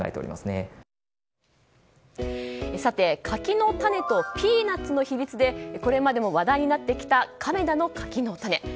柿の種とピーナツの比率でこれまでも話題になってきた亀田の柿の種。